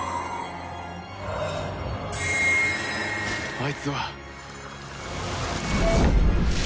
あいつは！